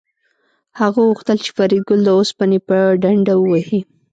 هغه غوښتل چې فریدګل د اوسپنې په ډنډه ووهي